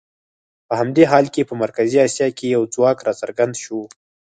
په همدې حال کې په مرکزي اسیا کې یو ځواک راڅرګند شو.